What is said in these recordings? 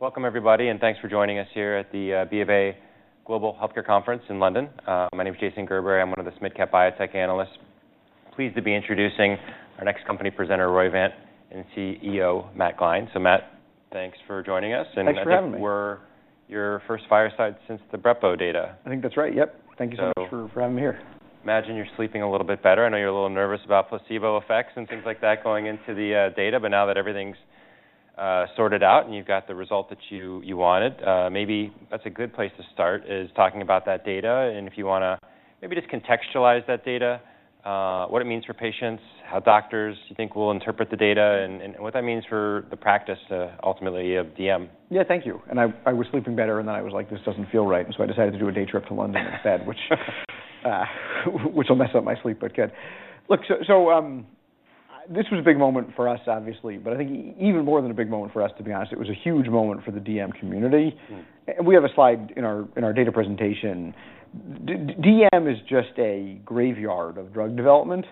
Welcome, everybody, and thanks for joining us here at the BofA Global Healthcare Conference in London. My name is Jason Gerberry. I'm one of the SMID-cap biotech analysts. Pleased to be introducing our next company presenter, Roivant, and CEO, Matt Gline. Matt, thanks for joining us. Thanks for having me. We're your first fireside since the brepo data. I think that's right. Yep, thank you for having me here. Imagine you're sleeping a little bit better. I know you're a little nervous about placebo effects and things like that going into the data. Now that everything's sorted out and you've got the result that you wanted, maybe that's a good place to start, talking about that data. If you want to maybe just contextualize that data, what it means for patients, how doctors you think will interpret the data, and what that means for the practice to ultimately DM. Yeah, thank you. I was sleeping better, and then I was like, this doesn't feel right. I decided to do a day trip to London instead, which will mess up my sleep, but good. Look, this was a big moment for us, obviously, but I think even more than a big moment for us, to be honest, it was a huge moment for the DM community. We have a slide in our data presentation. DM is just a graveyard of drug development.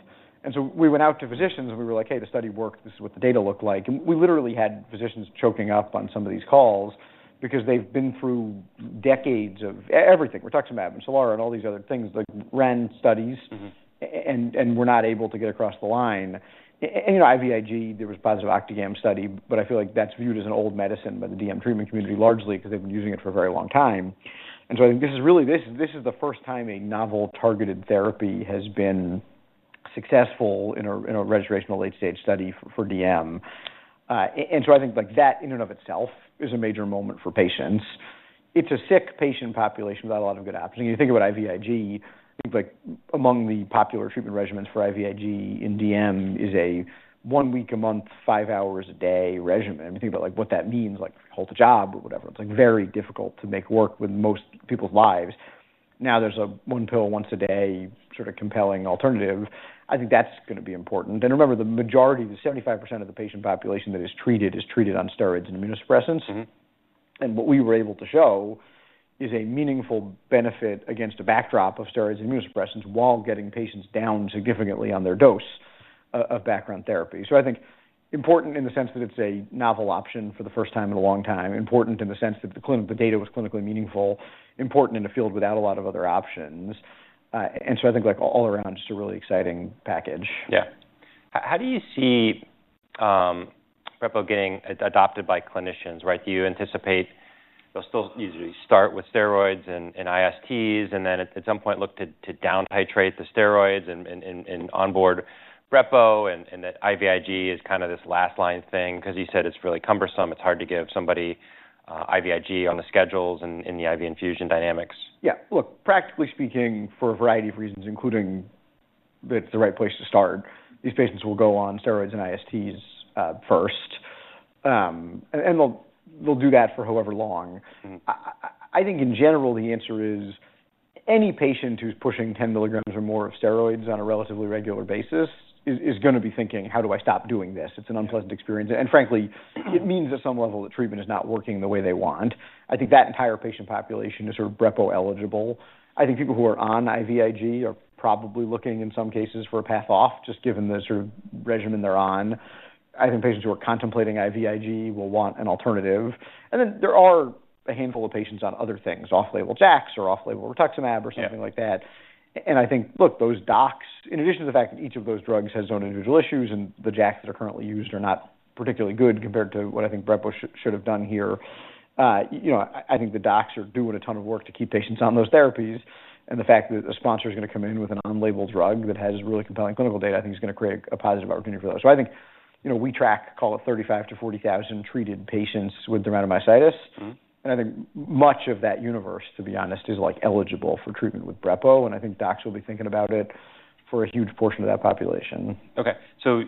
We went out to physicians, and we were like, hey, the study worked. This is what the data looked like. We literally had physicians choking up on some of these calls because they've been through decades of everything: rituximab and Stelara and all these other things, like RAND studies. We're not able to get across the line. You know, IVIG, there was a positive Octagam study, but I feel like that's viewed as an old medicine by the DM treatment community largely because they've been using it for a very long time. I think this is really the first time a novel targeted therapy has been successful in a registration of late-stage study for DM. I think that in and of itself is a major moment for patients. It's a sick patient population without a lot of good options. You think about IVIG, I think among the popular treatment regimens for IVIG in DM is a one week, a month, five hours a day regimen. If you think about what that means, like hold a job or whatever, it's very difficult to make work with most people's lives. Now there's a one pill once a day sort of compelling alternative. I think that's going to be important. Remember, the majority, the 75% of the patient population that is treated is treated on steroids and immunosuppressants. What we were able to show is a meaningful benefit against a backdrop of steroids and immunosuppressants while getting patients down significantly on their dose of background therapy. I think important in the sense that it's a novel option for the first time in a long time, important in the sense that the data was clinically meaningful, important in a field without a lot of other options. I think all around, just a really exciting package. Yeah. How do you see brepo getting adopted by clinicians? Do you anticipate they'll still usually start with steroids and ISTs, and then at some point look to down-titrate the steroids and onboard brepo, and that IVIG is kind of this last-line thing? You said it's really cumbersome. It's hard to give somebody IVIG on the schedules and in the IV infusion dynamics. Yeah. Look, practically speaking, for a variety of reasons, including that it's the right place to start, these patients will go on steroids and ISTs first. They'll do that for however long. I think in general, the answer is any patient who's pushing 10 mg or more of steroids on a relatively regular basis is going to be thinking, how do I stop doing this? It's an unpleasant experience. Frankly, it means at some level that treatment is not working the way they want. I think that entire patient population is sort of brepo eligible. People who are on IVIG are probably looking in some cases for a path off, just given the sort of regimen they're on. I think patients who are contemplating IVIG will want an alternative. There are a handful of patients on other things, off-label JAKs or off-label rituximab or something like that. Those docs, in addition to the fact that each of those drugs has own individual issues and the JAKs that are currently used are not particularly good compared to what I think brepo should have done here, I think the docs are doing a ton of work to keep patients on those therapies. The fact that a sponsor is going to come in with an on-label drug that has really compelling clinical data, I think, is going to create a positive opportunity for those. I think, you know, we track, call it, 35,000-40,000 treated patients with dermatomyositis. Much of that universe, to be honest, is like eligible for treatment with brepo. I think docs will be thinking about it for a huge portion of that population. OK.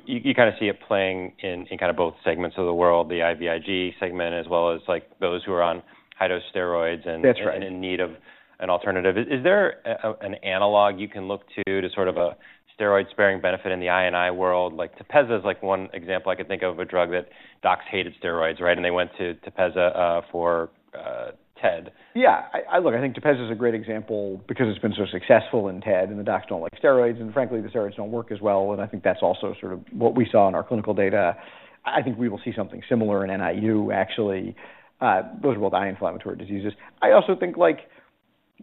You kind of see it playing in both segments of the world, the IVIG segment, as well as those who are on high-dose steroids and in need of an alternative. Is there an analog you can look to, to sort of a steroid-sparing benefit in the INI world? Like Tepezza is one example I could think of, of a drug that docs hated steroids, right? They went to Tepezza for TED. Yeah. Look, I think Tepezza is a great example because it's been so successful in TED, and the docs don't like steroids. Frankly, the steroids don't work as well. I think that's also sort of what we saw in our clinical data. I think we will see something similar in NIU, actually, those are both anti-inflammatory diseases. I also think like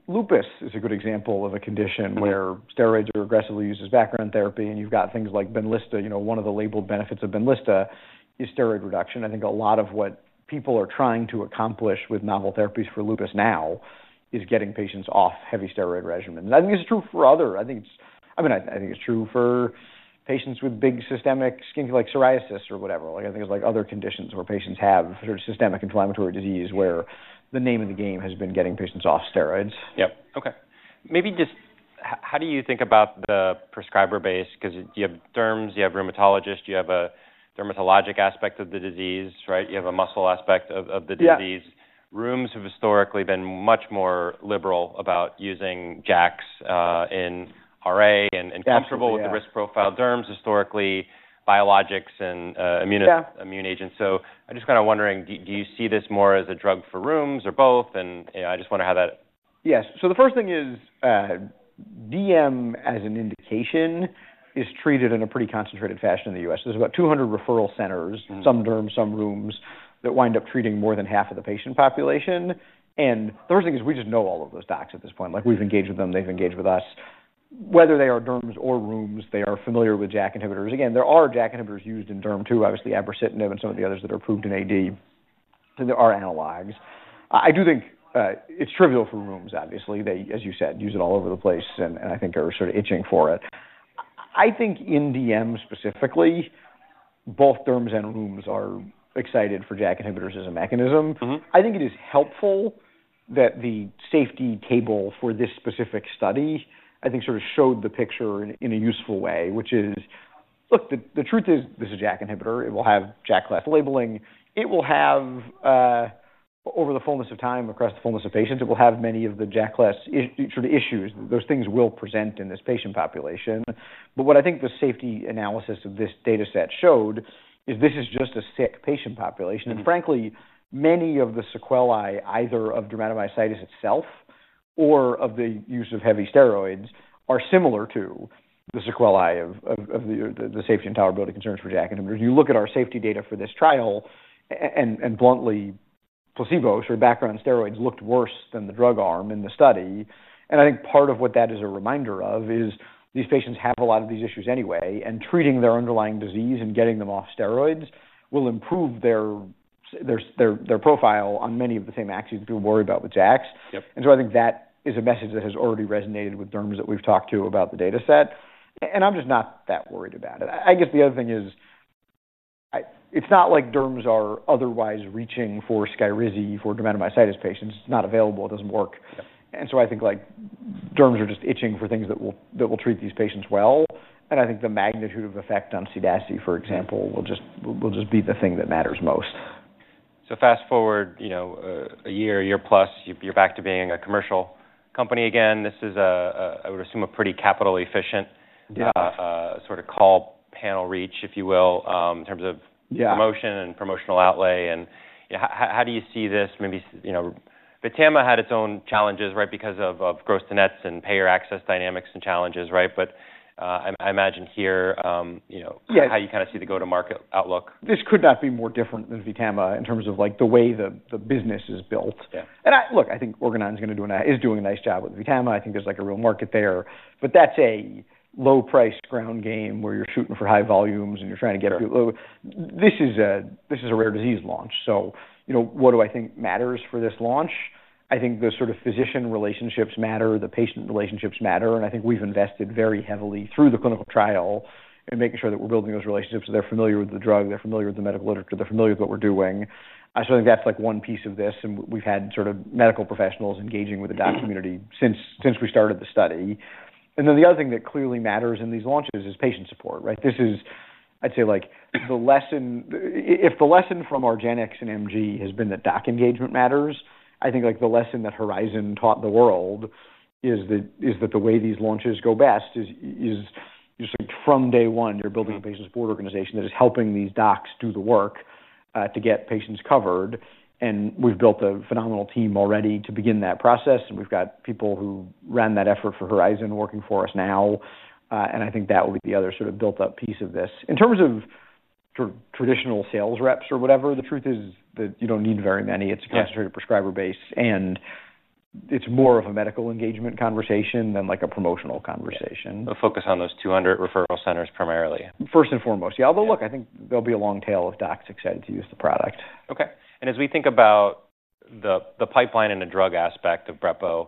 lupus is a good example of a condition where steroids are aggressively used as background therapy. You've got things like Benlysta. One of the labeled benefits of Benlysta is steroid reduction. I think a lot of what people are trying to accomplish with novel therapies for lupus now is getting patients off heavy steroid regimens. I think this is true for other conditions. I mean, I think it's true for patients with big systemic skin disease like psoriasis or whatever. I think it's like other conditions where patients have sort of systemic inflammatory disease where the name of the game has been getting patients off steroids. Yeah. OK. Maybe just how do you think about the prescriber base? Because you have derms, you have rheumatologists, you have a dermatologic aspect of the disease, right? You have a muscle aspect of the disease. Rheums have historically been much more liberal about using JAKs in RA and comfortable with the risk profile. Derms historically biologics and immune agents. I'm just kind of wondering, do you see this more as a drug for rheum's or both? I just want to have that. Yes. The first thing is DM as an indication is treated in a pretty concentrated fashion in the U.S. There's about 200 referral centers, some derms, some rheums, that wind up treating more than half of the patient population. The first thing is we just know all of those docs at this point. We've engaged with them. They've engaged with us. Whether they are derms or rheums, they are familiar with JAK inhibitors. There are JAK inhibitors used in derm too, obviously abrocitinib and some of the others that are approved in AD. There are analogs. I do think it's trivial for rheums, obviously. They, as you said, use it all over the place. I think are sort of itching for it. I think in DM specifically, both derms and rheums are excited for JAK inhibitors as a mechanism. I think it is helpful that the safety table for this specific study sort of showed the picture in a useful way, which is, look, the truth is this is a JAK inhibitor. It will have JAK class labeling. It will have, over the fullness of time, across the fullness of patients, it will have many of the JAK class sort of issues that those things will present in this patient population. What I think the safety analysis of this data set showed is this is just a sick patient population. Frankly, many of the sequelae either of dermatomyositis itself or of the use of heavy steroids are similar to the sequelae of the safety and tolerability concerns for JAK inhibitors. You look at our safety data for this trial and, bluntly, placebos or background steroids looked worse than the drug arm in the study. I think part of what that is a reminder of is these patients have a lot of these issues anyway. Treating their underlying disease and getting them off steroids will improve their profile on many of the same axes that we worry about with JAKs. I think that is a message that has already resonated with derms that we've talked to about the data set. I'm just not that worried about it. I guess the other thing is it's not like derms are otherwise reaching for Skyrizi for dermatomyositis patients. It's not available. It doesn't work. I think derms are just itching for things that will treat these patients well. I think the magnitude of effect on CDASI, for example, will just be the thing that matters most. Fast forward, you know, a year, a year plus, you're back to being a commercial company again. This is, I would assume, a pretty capital-efficient sort of call panel reach, if you will, in terms of promotion and promotional outlay. How do you see this? Maybe, you know, VTAMA had its own challenges, right, because of gross tenets and payer access dynamics and challenges, right? I imagine here, you know, how you kind of see the go-to-market outlook. This could not be more different than VTAMA in terms of the way the business is built. I think Organon is going to do a nice job with VTAMA. I think there's a real market there, but that's a low-priced ground game where you're shooting for high volumes and you're trying to get people. This is a rare disease launch. What do I think matters for this launch? I think the sort of physician relationships matter. The patient relationships matter. I think we've invested very heavily through the clinical trial in making sure that we're building those relationships. They're familiar with the drug. They're familiar with the medical literature. They're familiar with what we're doing. I think that's one piece of this. We've had medical professionals engaging with the doc community since we started the study. The other thing that clearly matters in these launches is patient support, right? I'd say the lesson, if the lesson from argenx and MG has been that doc engagement matters, I think the lesson that Horizon taught the world is that the way these launches go best is you see from day one, you're building a patient support organization that is helping these docs do the work to get patients covered. We've built a phenomenal team already to begin that process. We've got people who ran that effort for Horizon working for us now. I think that will be the other built-up piece of this. In terms of traditional sales reps or whatever, the truth is that you don't need very many. It's a concentrated prescriber base. It's more of a medical engagement conversation than a promotional conversation. A focus on those 200 referral centers primarily. First and foremost, I think there'll be a long tail of docs excited to use the product. OK. As we think about the pipeline and the drug aspect of brepo,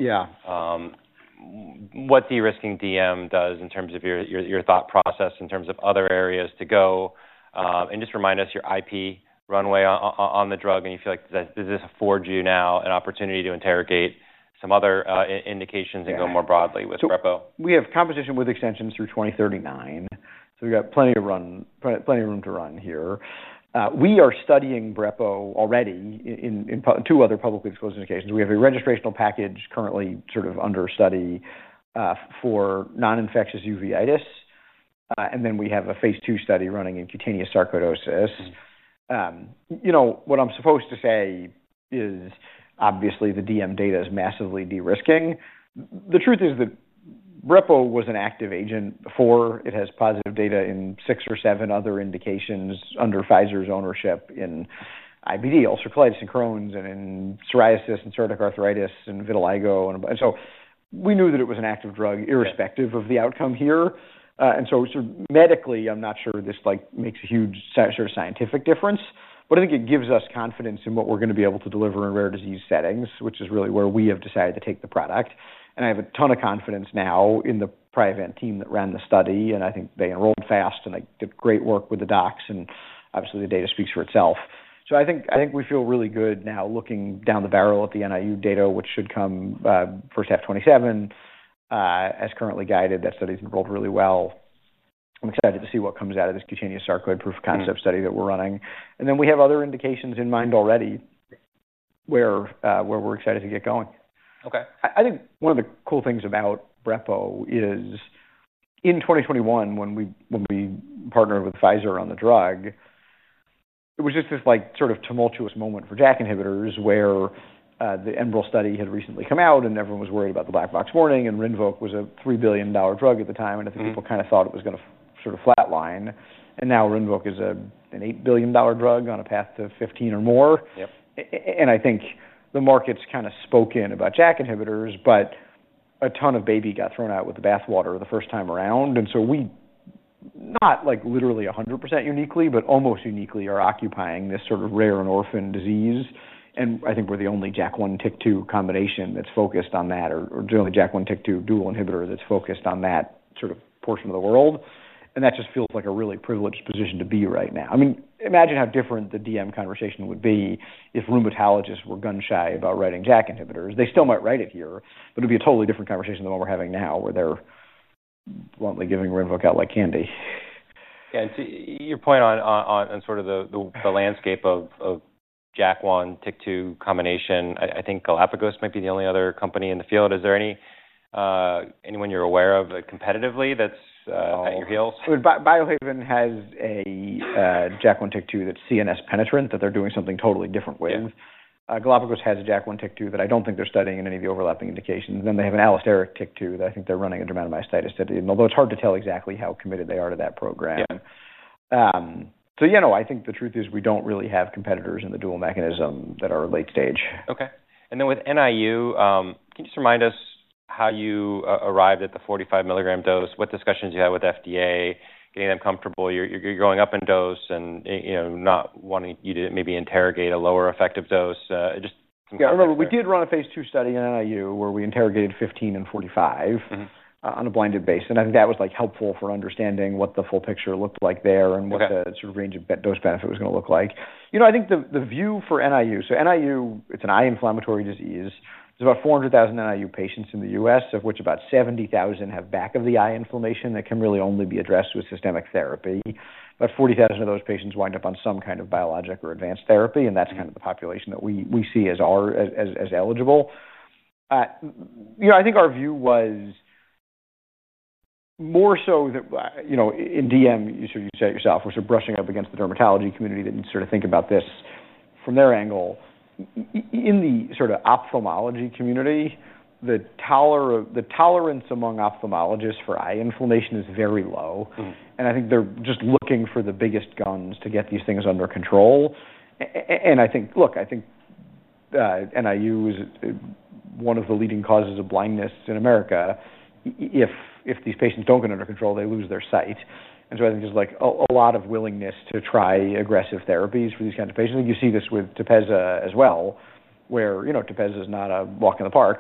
what does de-risking DM do in terms of your thought process, in terms of other areas to go, and just remind us your IP runway on the drug. Do you feel like this affords you now an opportunity to interrogate some other indications and go more broadly with brepo? We have competition with extensions through 2039, so we've got plenty of room to run here. We are studying brepo already in two other publicly disclosed indications. We have a registrational package currently under study for non-infectious uveitis, and we have a phase II study running in cutaneous sarcoidosis. What I'm supposed to say is obviously the DM data is massively de-risking. The truth is that brepo was an active agent before. It has positive data in six or seven other indications under Pfizer's ownership in IBD, ulcerative colitis, Crohn's, psoriasis, psoriatic arthritis, and vitiligo. We knew that it was an active drug irrespective of the outcome here, so medically, I'm not sure this makes a huge scientific difference. I think it gives us confidence in what we're going to be able to deliver in rare disease settings, which is really where we have decided to take the product. I have a ton of confidence now in the Priovant team that ran the study. I think they enrolled fast and they did great work with the docs, and obviously, the data speaks for itself. I think we feel really good now looking down the barrel at the NIU data, which should come first half of 2027. As currently guided, that study's enrolled really well. I'm excited to see what comes out of this cutaneous sarcoid proof of concept study that we're running, and we have other indications in mind already where we're excited to get going. OK. I think one of the cool things about brepo is in 2021, when we partnered with Pfizer on the drug, it was just this sort of tumultuous moment for JAK inhibitors where the EMERALD study had recently come out and everyone was worried about the black box warning. Rinvoq was a $3 billion drug at the time. I think people kind of thought it was going to sort of flatline. Now Rinvoq is an $8 billion drug on a path to $15 billion or more. I think the market's kind of spoken about JAK inhibitors, but a ton of baby got thrown out with the bathwater the first time around. We not like literally 100% uniquely, but almost uniquely are occupying this sort of rare and orphan disease. I think we're the only JAK1/TYK2 combination that's focused on that, or generally JAK1/TYK2 dual inhibitor that's focused on that sort of portion of the world. That just feels like a really privileged position to be right now. I mean, imagine how different the DM conversation would be if rheumatologists were gun-shy about writing JAK inhibitors. They still might write it here. It would be a totally different conversation than what we're having now where they're bluntly giving Rinvoq out like candy. To your point on sort of the landscape of JAK1/TYK2 combination, I think Galapagos might be the only other company in the field. Is there anyone you're aware of competitively that's at your heels? Biohaven has a JAK1/TYK2 that's CNS penetrant that they're doing something totally different with. Galapagos has a JAK1/TYK2 that I don't think they're studying in any of the overlapping indications. They have an allosteric TYK2 that I think they're running a dermatomyositis study in, although it's hard to tell exactly how committed they are to that program. I think the truth is we don't really have competitors in the dual mechanism that are late stage. OK. With NIU, can you just remind us how you arrived at the 45 mg dose? What discussions you had with FDA, getting them comfortable? You're going up in dose and not wanting you to maybe interrogate a lower effective dose. Yeah, remember, we did run a phase II study in NIU where we interrogated 15 mg and 45 mg on a blinded base. I think that was helpful for understanding what the full picture looked like there and what the sort of range of dose benefit was going to look like. I think the view for NIU, so NIU, it's an eye inflammatory disease. There's about 400,000 NIU patients in the U.S., of which about 70,000 have back of the eye inflammation that can really only be addressed with systemic therapy. About 40,000 of those patients wind up on some kind of biologic or advanced therapy, and that's kind of the population that we see as eligible. I think our view was more so that, in DM, you said it yourself, we're sort of brushing up against the dermatology community that you sort of think about this from their angle. In the ophthalmology community, the tolerance among ophthalmologists for eye inflammation is very low. I think they're just looking for the biggest guns to get these things under control. I think NIU is one of the leading causes of blindness in America. If these patients don't get under control, they lose their sight. I think there's a lot of willingness to try aggressive therapies for these kinds of patients. I think you see this with Tepezza as well, where Tepezza is not a walk in the park,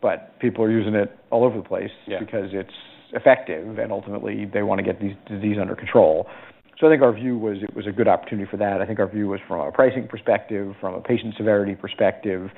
but people are using it all over the place because it's effective. Ultimately, they want to get this disease under control. I think our view was it was a good opportunity for that. I think our view was from a pricing perspective, from a patient severity perspective.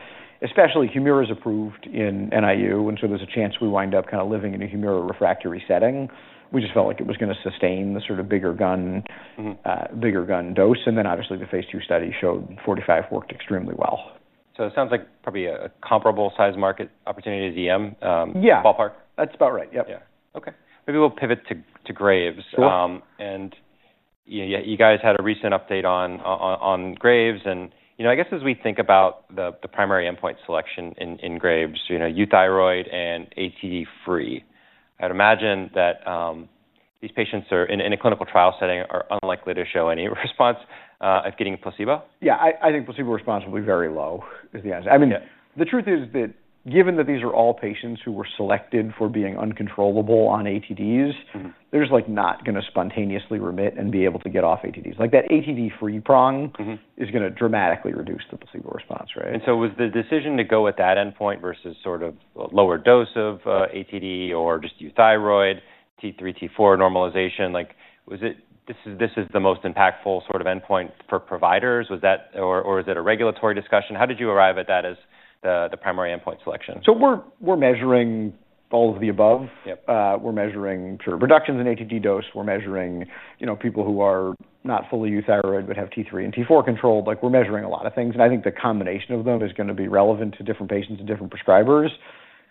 Especially Humira is approved in NIU, and so there's a chance we wind up kind of living in a Humira refractory setting. We just felt like it was going to sustain the sort of bigger gun dose. Obviously, the phase II study showed 45 mg worked extremely well. It sounds like probably a comparable size market opportunity to DM, ballpark. Yeah, that's about right. Yep. OK. Maybe we'll pivot to Graves'. You guys had a recent update on Graves'. As we think about the primary endpoint selection in Graves', euthyroid and ATD free, I'd imagine that these patients in a clinical trial setting are unlikely to show any response at getting a placebo. Yeah, I think placebo response will be very low is the answer. I mean, the truth is that given that these are all patients who were selected for being uncontrollable on ATDs, they're just like not going to spontaneously remit and be able to get off ATDs. That ATD free prong is going to dramatically reduce the placebo response, right? Was the decision to go with that endpoint versus a lower dose of ATD or just euthyroid, T3-T4 normalization, like was it this is the most impactful endpoint for providers, or is it a regulatory discussion? How did you arrive at that as the primary endpoint selection? We're measuring all of the above. We're measuring sort of reductions in ATD dose. We're measuring, you know, people who are not fully euthyroid but have T3 and T4 control. We're measuring a lot of things. I think the combination of them is going to be relevant to different patients and different prescribers.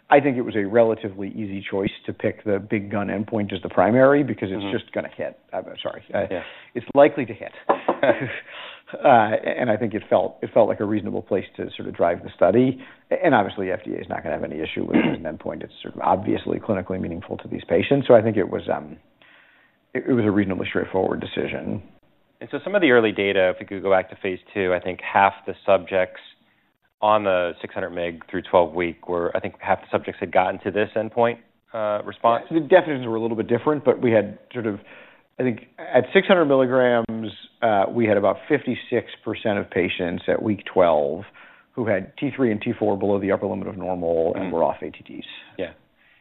I think it was a relatively easy choice to pick the big gun endpoint as the primary because it's just going to hit. I'm sorry. It's likely to hit. I think it felt like a reasonable place to sort of drive the study. Obviously, FDA is not going to have any issue with an endpoint. It's obviously clinically meaningful to these patients. I think it was a reasonably straightforward decision. Some of the early data, if we could go back to phase II, I think half the subjects on the 600 mg through 12 weeks were, I think half the subjects had gotten to this endpoint response. The definitions were a little bit different, but we had, I think at 600 mg, about 56% of patients at week 12 who had T3 and T4 below the upper limit of normal and were off ATDs.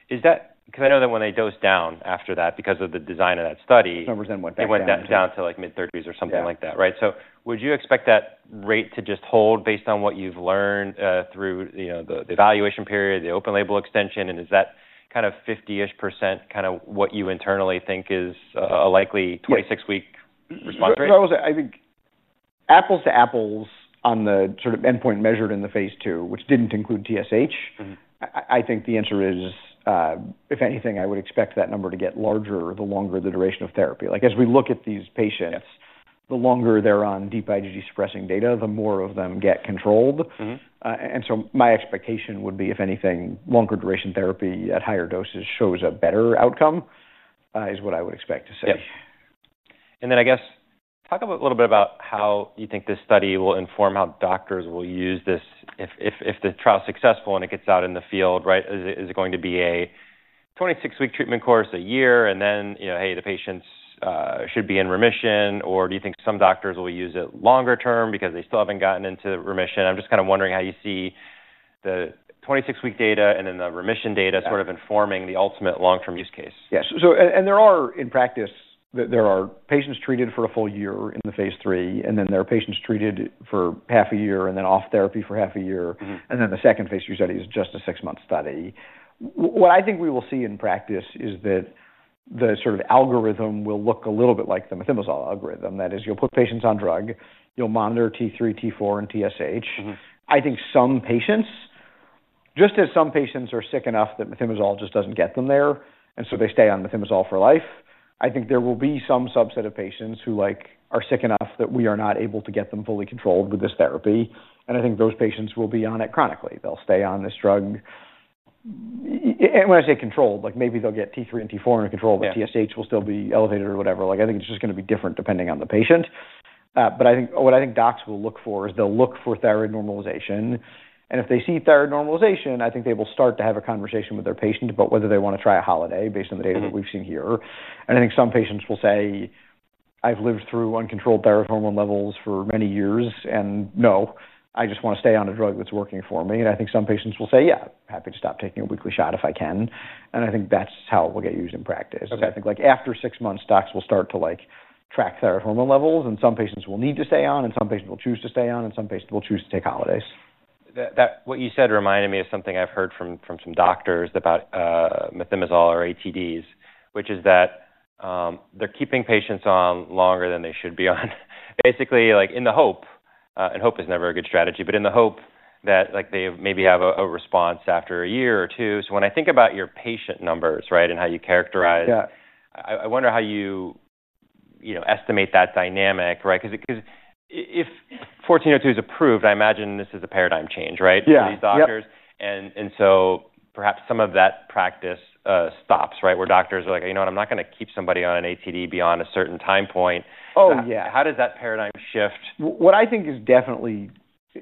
Is that because I know that when they dosed down after that, because of the design of that study, they went down to like mid-30s or something like that, right? Would you expect that rate to just hold based on what you've learned through the evaluation period, the open-label extension? Is that kind of 50% what you internally think is a likely 26-week response rate? I think apples to apples on the sort of endpoint measured in the phase II, which didn't include TSH, I think the answer is, if anything, I would expect that number to get larger the longer the duration of therapy. As we look at these patients, the longer they're on deep IgG suppressing data, the more of them get controlled. My expectation would be, if anything, longer duration therapy at higher doses shows a better outcome is what I would expect to see. Yeah. I guess talk a little bit about how you think this study will inform how doctors will use this if the trial is successful and it gets out in the field, right? Is it going to be a 26-week treatment course, a year, and then, you know, hey, the patients should be in remission? Do you think some doctors will use it longer term because they still haven't gotten into remission? I'm just kind of wondering how you see the 26-week data and then the remission data sort of informing the ultimate long-term use case. Yeah. In practice, there are patients treated for a full year in the phase III. There are patients treated for half a year and then off therapy for half a year. The second phase II study is just a six-month study. What I think we will see in practice is that the sort of algorithm will look a little bit like the methimazole algorithm. That is, you'll put patients on drug, you'll monitor T3, T4, and TSH. I think some patients, just as some patients are sick enough that methimazole just doesn't get them there and so they stay on methimazole for life, I think there will be some subset of patients who are sick enough that we are not able to get them fully controlled with this therapy. I think those patients will be on it chronically. They'll stay on this drug. When I say controlled, maybe they'll get T3 and T4 under control, but TSH will still be elevated or whatever. I think it's just going to be different depending on the patient. I think what docs will look for is they'll look for thyroid normalization. If they see thyroid normalization, I think they will start to have a conversation with their patient about whether they want to try a holiday based on the data that we've seen here. I think some patients will say, I've lived through uncontrolled thyroid hormone levels for many years, and no, I just want to stay on a drug that's working for me. I think some patients will say, yeah, I'm happy to stop taking a weekly shot if I can. I think that's how it will get used in practice. I think after six months, docs will start to track thyroid hormone levels. Some patients will need to stay on, and some patients will choose to stay on, and some patients will choose to take holidays. What you said reminded me of something I've heard from some doctors about methimazole or ATDs, which is that they're keeping patients on longer than they should be on, basically like in the hope, and hope is never a good strategy, but in the hope that like they maybe have a response after a year or two. When I think about your patient numbers, right, and how you characterize, I wonder how you, you know, estimate that dynamic, right? Because if 1402 is approved, I imagine this is a paradigm change, right, for these doctors. Perhaps some of that practice stops, right, where doctors are like, you know what, I'm not going to keep somebody on an ATD beyond a certain time point. Oh, yeah. How does that paradigm shift? What I think is definitely,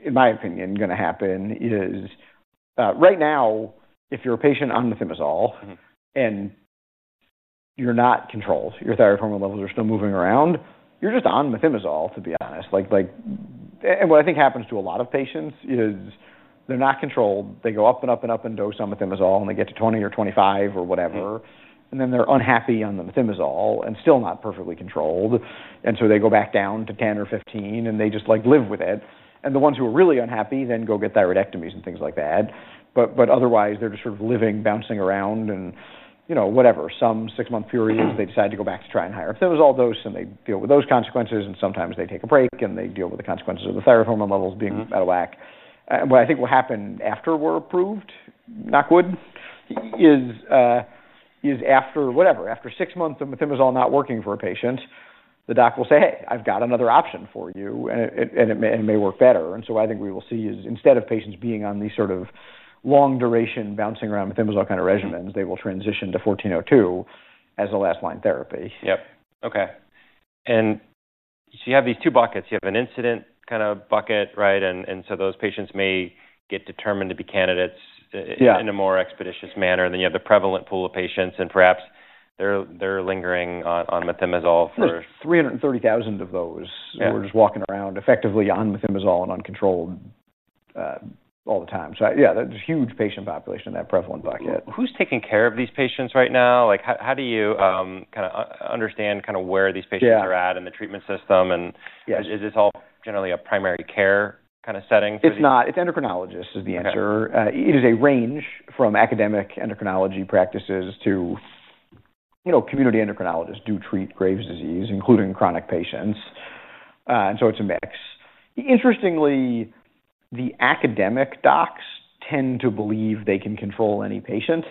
in my opinion, going to happen is right now, if you're a patient on methimazole and you're not controlled, your thyroid hormone levels are still moving around, you're just on methimazole, to be honest. What I think happens to a lot of patients is they're not controlled. They go up and up and up in dose on methimazole, and they get to 20 mg or 25 mg or whatever. They're unhappy on the methimazole and still not perfectly controlled, so they go back down to 10 mg or 15 mg, and they just like live with it. The ones who are really unhappy then go get thyroidectomies and things like that. Otherwise, they're just sort of living, bouncing around, and you know, whatever. Some six-month periods, they decide to go back to trying higher methimazole dose, and they deal with those consequences. Sometimes they take a break, and they deal with the consequences of the thyroid hormone levels being out of whack. What I think will happen after we're approved, knock wood, is after whatever, after six months of methimazole not working for a patient, the doc will say, hey, I've got another option for you, and it may work better. I think we will see instead of patients being on these sort of long duration bouncing around methimazole kind of regimens, they will transition to 1402 as a last line therapy. OK. You have these two buckets. You have an incident kind of bucket, right? Those patients may get determined to be candidates in a more expeditious manner. You have the prevalent pool of patients, and perhaps they're lingering on methimazole for. are 330,000 of those who are just walking around effectively on methimazole and uncontrolled all the time. There is a huge patient population in that prevalent bucket. Who’s taking care of these patients right now? How do you kind of understand where these patients are at in the treatment system? Is this all generally a primary care kind of setting? It's not. It's endocrinologists is the answer. It is a range from academic endocrinology practices to, you know, community endocrinologists do treat Graves’ disease, including chronic patients, and so it's a mix. Interestingly, the academic docs tend to believe they can control any patient.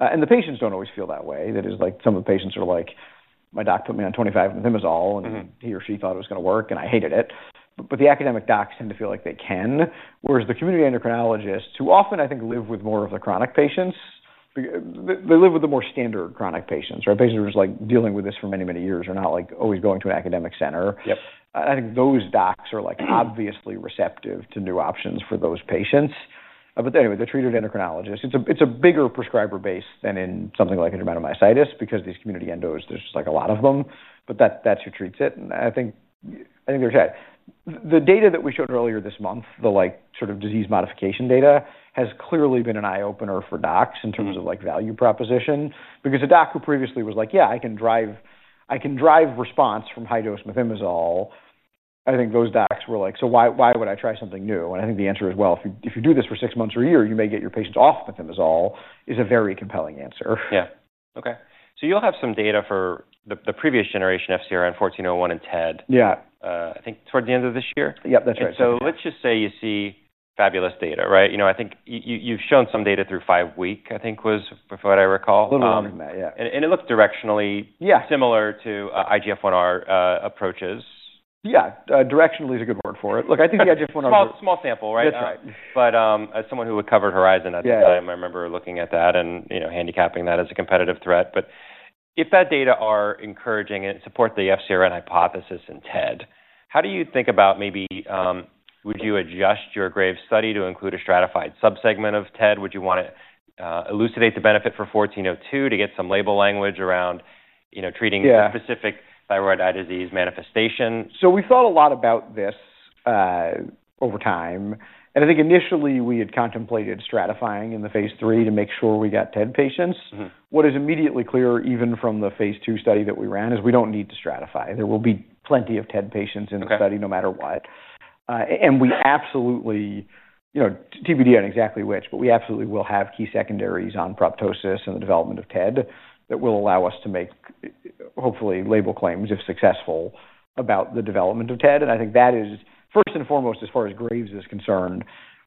The patients don't always feel that way. That is, like, some of the patients are like, my doc put me on 25 mg methimazole, and he or she thought it was going to work, and I hated it. The academic docs tend to feel like they can, whereas the community endocrinologists, who often I think live with more of the chronic patients, they live with the more standard chronic patients, right? Patients who are just like dealing with this for many, many years are not like always going to an academic center. I think those docs are obviously receptive to new options for those patients. Anyway, they're treated endocrinologists. It's a bigger prescriber base than in something like a dermatomyositis because these community endos, there's just like a lot of them. That's who treats it. I think they're okay. The data that we showed earlier this month, the like sort of disease modification data, has clearly been an eye opener for docs in terms of value proposition. Because a doc who previously was like, yeah, I can drive response from high dose methimazole, I think those docs were like, so why would I try something new? I think the answer is, if you do this for six months or a year, you may get your patients off methimazole, is a very compelling answer. Yeah. OK. So you'll have some data for the previous generation FcRn, 1401, and TED. Yeah. I think toward the end of this year. Yep, that's right. Let's just say you see fabulous data, right? I think you've shown some data through five weeks, I think was what I recall. A little bit more than that, yeah. It looked directionally similar to IGF1R approaches. Yeah, directionally is a good word for it. Look, I think the IGF1R is. Small sample, right? That's right. As someone who would cover Horizon, I remember looking at that and handicapping that as a competitive threat. If that data are encouraging and support the FcRn hypothesis inTED, how do you think about maybe would you adjust your Graves' study to include a stratified sub-segment of TED? would you want to elucidate the benefit for 1402 to get some label language around treating specific thyroid eye disease manifestations? We thought a lot about this over time. I think initially we had contemplated stratifying in the phase III to make sure TED patients. What is immediately clear even from the phase II study that we ran is we do not need to stratify. There will be TED patients in the study no matter what. We absolutely, you know, TBD on exactly which, but we absolutely will have key secondaries on proptosis and the development TED that will allow us to make hopefully label claims if successful about the development of TED. I think that is first and foremost as far as Graves’ is concerned.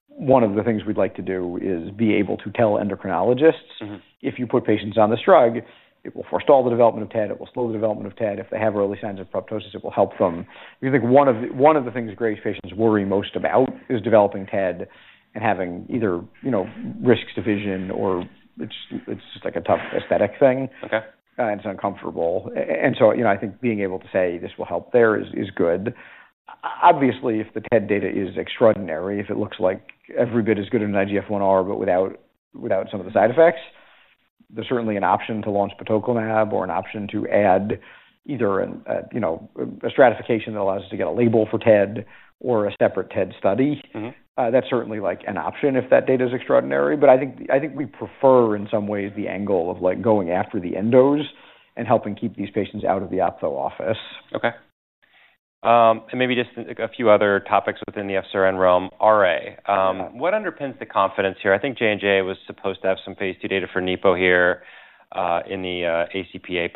One of the things we'd like to do is be able to tell endocrinologists if you put patients on this drug, it will forestall the development of TED. It will slow the development TED. if they have early signs of proptosis, it will help them. I think one of the things Graves’ patients worry most about TED and having either, you know, risks to vision or it's just like a tough aesthetic thing. It's uncomfortable. I think being able to say this will help there is good. Obviously, TED data is extraordinary, if it looks like every bit as good as an IGF1R but without some of the side effects, there's certainly an option to launch batoclimab or an option to add either a stratification that allows us to get a TED or a separate TED study. That's certainly an option if that data is extraordinary. I think we prefer in some ways the angle of going after the endocrinologists and helping keep these patients out of the ophthalmologist's office. OK. Maybe just a few other topics within the FcRn realm. RA, what underpins the confidence here? I think J&J was supposed to have some phase II data for nipo here in the ACPA+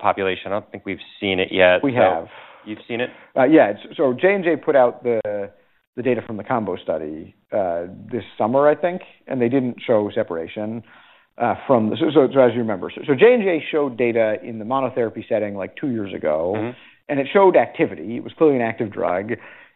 population. I don't think we've seen it yet. We have. You've seen it? Yeah. J&J put out the data from the combo study this summer, I think. They didn't show separation from the, as you remember. J&J showed data in the monotherapy setting like two years ago. It showed activity. It was clearly an active drug.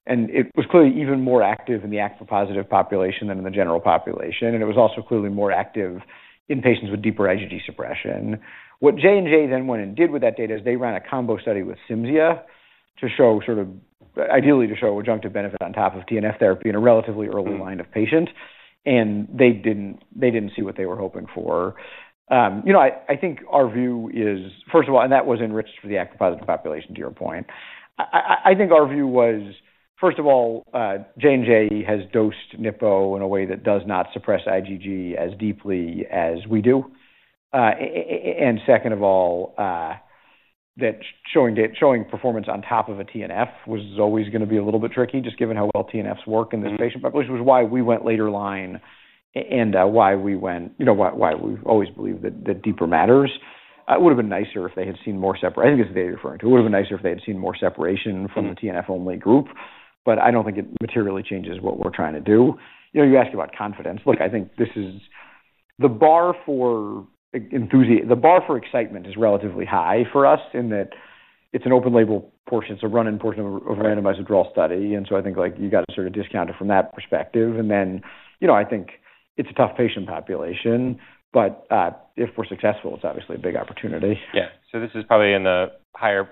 It was clearly even more active in the ACT4 positive population than in the general population. It was also clearly more active in patients with deeper IgG suppression. What J&J then went and did with that data is they ran a combo study with Cimzia to ideally show adjunctive benefit on top of TNF therapy in a relatively early line of patients. They didn't see what they were hoping for. I think our view is, first of all, and that was enriched for the ACT4 positive population to your point. I think our view was, first of all, J&J has dosed nipo in a way that does not suppress IgG as deeply as we do. Second of all, showing performance on top of a TNF was always going to be a little bit tricky, just given how well TNFs work in this patient population, which was why we went later line and why we always believe that deeper matters. It would have been nicer if they had seen more separation, I think it's the data you're referring to, it would have been nicer if they had seen more separation from the TNF only group. I don't think it materially changes what we're trying to do. You ask about confidence. Look, I think this is the bar for enthusiasm, the bar for excitement is relatively high for us in that it's an open-label portion, it's a run-in portion of a randomized withdrawal study. I think you have to sort of discount it from that perspective. I think it's a tough patient population. If we're successful, it's obviously a big opportunity. Yeah, this is probably in the higher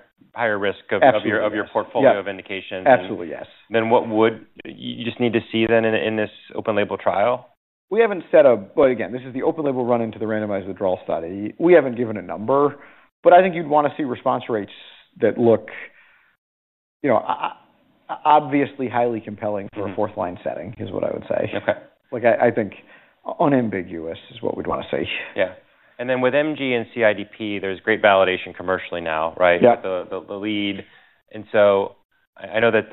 risk of your portfolio of indications. Absolutely, yes. What would you just need to see in this open label trial? We haven't set up, this is the open-label run into the randomized withdrawal study. We haven't given a number. I think you'd want to see response rates that look, you know, obviously highly compelling for a fourth-line setting is what I would say. I think unambiguous is what we'd want to see. Yeah, with MG and CIDP, there's great validation commercially now, right? Yeah. The lead. I know that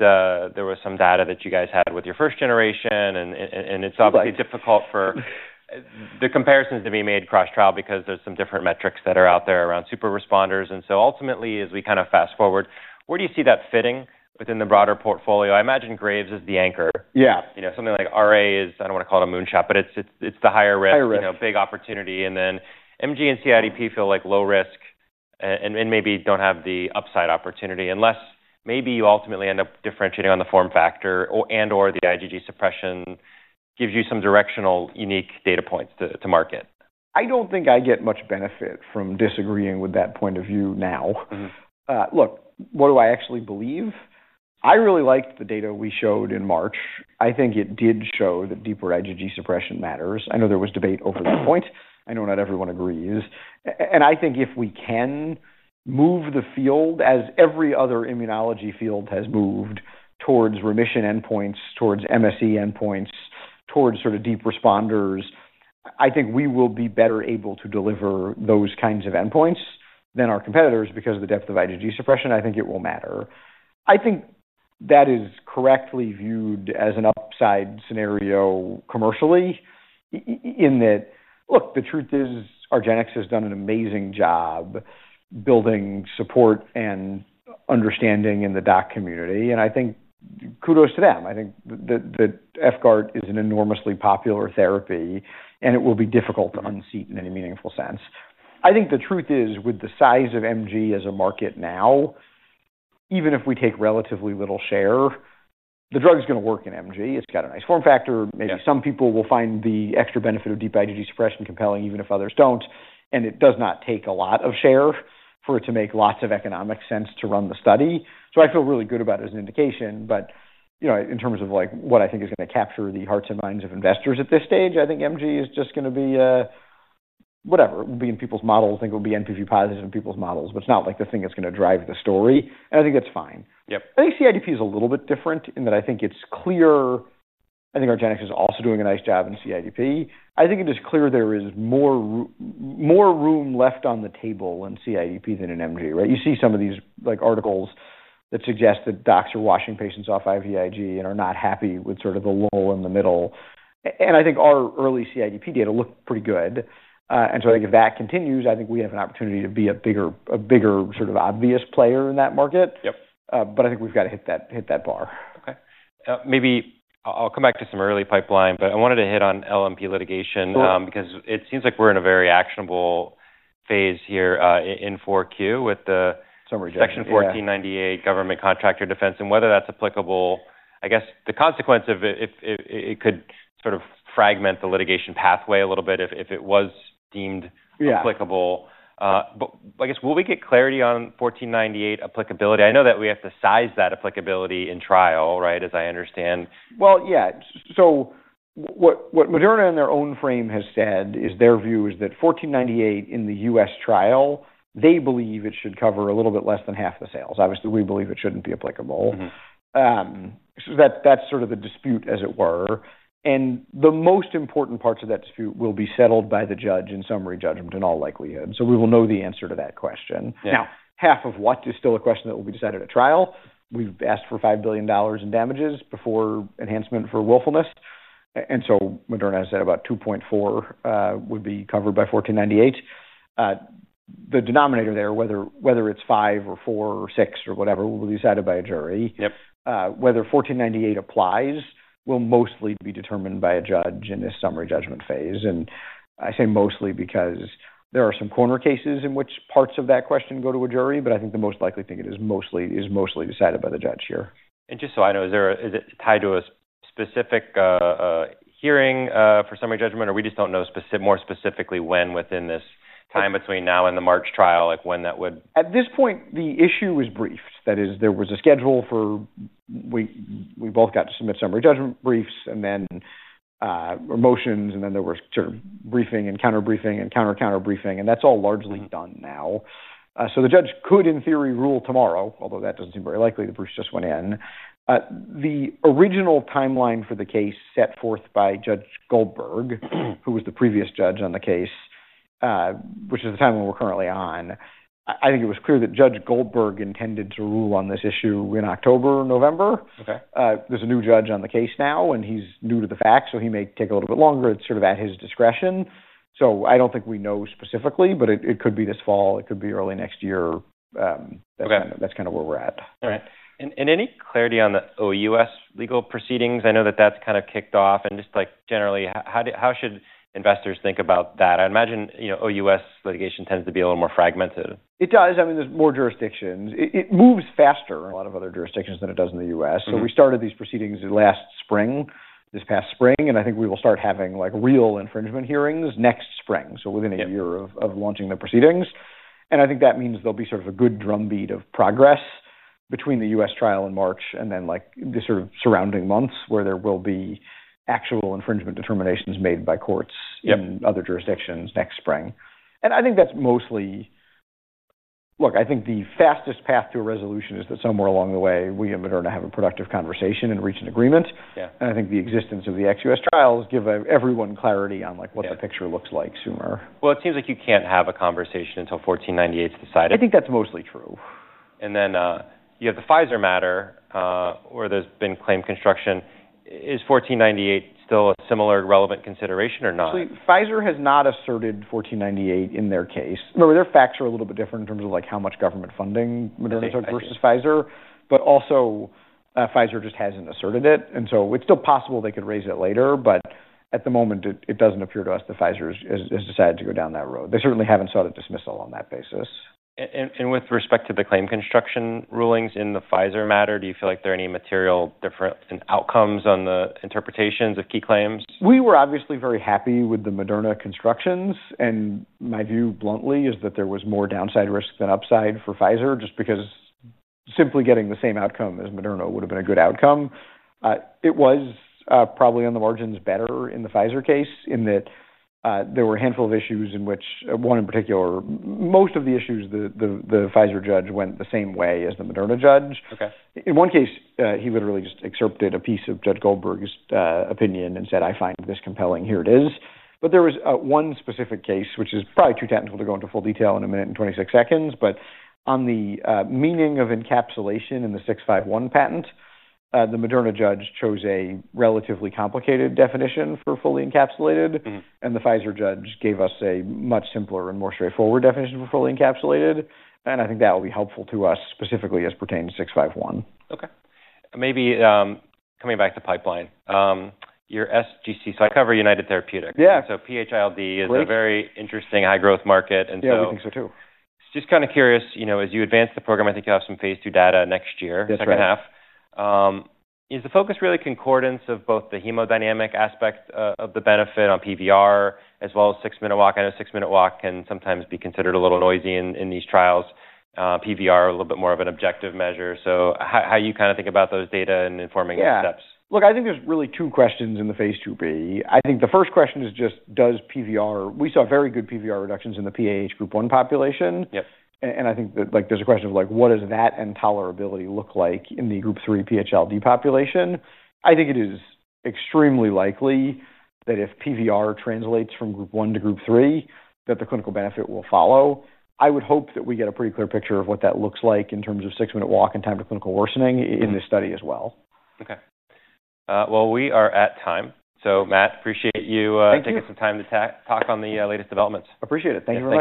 there was some data that you guys had with your first generation. It's obviously difficult for the comparisons to be made cross-trial because there's some different metrics that are out there around super responders. Ultimately, as we kind of fast forward, where do you see that fitting within the broader portfolio? I imagine Graves' is the anchor. Yeah. You know, something like RA is, I don't want to call it a moonshot, but it's the higher risk, you know, big opportunity. MG and CIDP feel like low risk and maybe don't have the upside opportunity unless maybe you ultimately end up differentiating on the form factor and/or the IgG suppression gives you some directional unique data points to market. I don't think I get much benefit from disagreeing with that point of view now. Look, what do I actually believe? I really liked the data we showed in March. I think it did show that deeper IgG suppression matters. I know there was debate over the point. I know not everyone agrees. I think if we can move the field, as every other immunology field has moved, towards remission endpoints, towards MSE endpoints, towards sort of deep responders, I think we will be better able to deliver those kinds of endpoints than our competitors because of the depth of IgG suppression. I think it will matter. I think that is correctly viewed as an upside scenario commercially in that, look, the truth is argenx has done an amazing job building support and understanding in the doc community. I think kudos to them. I think that efgart is an enormously popular therapy. It will be difficult to unseat in any meaningful sense. The truth is with the size of MG as a market now, even if we take relatively little share, the drug is going to work in MG. It's got a nice form factor. Maybe some people will find the extra benefit of deep IgG suppression compelling, even if others don't. It does not take a lot of share for it to make lots of economic sense to run the study. I feel really good about it as an indication. You know, in terms of like what I think is going to capture the hearts and minds of investors at this stage, I think MG is just going to be a whatever. It will be in people's models. I think it will be NPV positive in people's models. It's not like the thing that's going to drive the story. I think that's fine. Yep. I think CIDP is a little bit different in that I think it's clear. I think argenx is also doing a nice job in CIDP. I think it is clear there is more room left on the table in CIDP than in MG, right? You see some of these articles that suggest that docs are washing patients off IVIG and are not happy with sort of the lull in the middle. I think our early CIDP data looked pretty good, and if that continues, I think we have an opportunity to be a bigger sort of obvious player in that market. Yep. I think we've got to hit that bar. OK. Maybe I'll come back to some early pipeline, but I wanted to hit on LMP litigation because it seems like we're in a very actionable phase here in 4Q with the Section 1498 government contractor defense and whether that's applicable. I guess the consequence of it, if it could sort of fragment the litigation pathway a little bit if it was deemed applicable. I guess will we get clarity on 1498 applicability? I know that we have to size that applicability in trial, right, as I understand. What Moderna in their own frame has said is their view is that 1498 in the U.S. trial, they believe it should cover a little bit less than half the sales. Obviously, we believe it shouldn't be applicable. That's sort of the dispute, as it were. The most important parts of that dispute will be settled by the judge in summary judgment in all likelihood. We will know the answer to that question. Now, half of what is still a question that will be decided at trial. We've asked for $5 billion in damages before enhancement for willfulness. Moderna has said about $2.4 billion would be covered by 1498. The denominator there, whether it's $5 billion or $4 billion or $6 billion or whatever, will be decided by a jury. Yep. Whether 1498 applies will mostly be determined by a judge in this summary judgment phase. I say mostly because there are some corner cases in which parts of that question go to a jury. I think the most likely thing is mostly decided by the judge here. Is it tied to a specific hearing for summary judgment, or do we just not know more specifically when within this time between now and the March trial that would be? At this point, the issue was briefed. That is, there was a schedule for we both got to submit summary judgment briefs and then motions. There was sort of briefing and counter briefing and counter counter briefing. That's all largely done now. The judge could, in theory, rule tomorrow, although that doesn't seem very likely. The briefs just went in. The original timeline for the case set forth by Judge Goldberg, who was the previous judge on the case, which is the time we're currently on. I think it was clear that Judge Goldberg intended to rule on this issue in October or November. OK. There's a new judge on the case now. He's new to the facts, so he may take a little bit longer. It's sort of at his discretion. I don't think we know specifically, but it could be this fall or it could be early next year. That's kind of where we're at. All right. Any clarity on the OUS legal proceedings? I know that that's kind of kicked off. Just like generally, how should investors think about that? I imagine OUS litigation tends to be a little more fragmented. It does. I mean, there are more jurisdictions. It moves faster in a lot of other jurisdictions than it does in the U.S. We started these proceedings this past spring, and I think we will start having real infringement hearings next spring, within a year of launching the proceedings. I think that means there will be a good drumbeat of progress between the U.S. trial in March and the surrounding months where there will be actual infringement determinations made by courts in other jurisdictions next spring. I think that's mostly, look, I think the fastest path to a resolution is that somewhere along the way, we at Moderna have a productive conversation and reach an agreement. Yeah. I think the existence of the ex-US trials gives everyone clarity on what the picture looks like, sooner. It seems like you can't have a conversation until 1498 government contractor defense is decided. I think that's mostly true. You have the Pfizer matter where there's been claim construction. Is 1498 still a similar relevant consideration or not? Pfizer has not asserted 1498 in their case. Remember, their facts are a little bit different in terms of how much government funding Moderna took versus Pfizer. Pfizer just hasn't asserted it. It is still possible they could raise it later, but at the moment, it doesn't appear to us that Pfizer has decided to go down that road. They certainly haven't sought a dismissal on that basis. With respect to the claim construction rulings in the Pfizer matter, do you feel like there are any material differences in outcomes on the interpretations of key claims? We were obviously very happy with the Moderna constructions. My view bluntly is that there was more downside risk than upside for Pfizer just because simply getting the same outcome as Moderna would have been a good outcome. It was probably on the margins better in the Pfizer case in that there were a handful of issues, in which one in particular, most of the issues the Pfizer judge went the same way as the Moderna judge. OK. In one case, he literally just excerpted a piece of Judge Goldberg's opinion and said, I find this compelling. Here it is. There was one specific case, which is probably too technical to go into full detail in a minute and 26 seconds. On the meaning of encapsulation in the 651 patent, the Moderna judge chose a relatively complicated definition for fully encapsulated. The Pfizer judge gave us a much simpler and more straightforward definition for fully encapsulated. I think that will be helpful to us specifically as pertaining to 651. OK. Maybe coming back to pipeline, your SGC. I cover United Therapeutics. Yeah. PH-ILD is a very interesting high-growth market. Yeah, I think so too. Just kind of curious, you know, as you advance the program, I think you'll have some phase II data next year, second half. Yes. Is the focus really concordance of both the hemodynamic aspect of the benefit on PVR as well as six-minute walk? I know six-minute walk can sometimes be considered a little noisy in these trials. PVR is a little bit more of an objective measure. How do you kind of think about those data and informing those steps? Yeah. Look, I think there's really two questions in the phase II-B. I think the first question is just does PVR, we saw very good PVR reductions in the PAH group 1 population. Yep. I think that there's a question of what does that and tolerability look like in the group 3 PH-ILD population? I think it is extremely likely that if PVR translates from group 1 to group 3, the clinical benefit will follow. I would hope that we get a pretty clear picture of what that looks like in terms of six-minute walk and time to clinical worsening in this study as well. OK. We are at time. Matt, appreciate you taking some time to talk on the latest developments. Appreciate it. Thanks, Roivant.